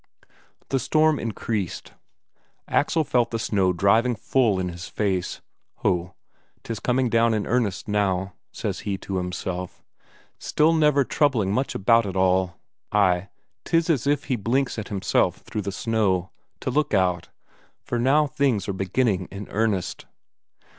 The storm increased, Axel felt the snow driving full in his face. Ho, 'tis coming down in earnest now, says he to himself, still never troubling much about it all ay, 'tis as if he blinks at himself through the snow, to look out, for now things are beginning in earnest!